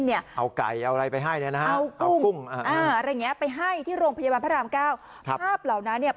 เอาไก่เอาอะไรไปให้นะครับเอากุ้ง